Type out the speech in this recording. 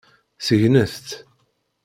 Segnet-t.